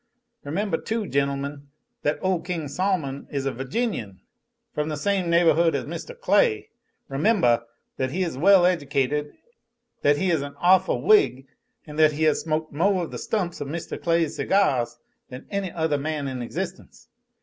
Remembah, too, gentlemen, that ole King Sol'mon is a Virginian from the same neighbohhood as Mr. Clay. Remembah that he is well educated, that he is an awful Whig, an' that he has smoked mo' of the stumps of Mr. Clay's cigahs than any other man in existence.